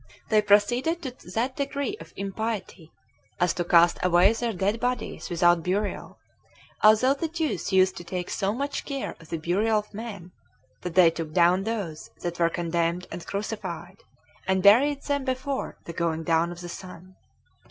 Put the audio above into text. Nay, they proceeded to that degree of impiety, as to cast away their dead bodies without burial, although the Jews used to take so much care of the burial of men, that they took down those that were condemned and crucified, and buried them before the going down of the sun.